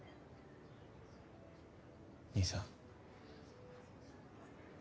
兄さん。